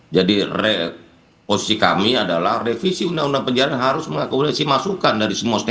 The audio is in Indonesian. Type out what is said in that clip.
jadi reposisi kami adalah revisi undang undang penyiaran harus mengakui resi masukan dari setiap pemerintah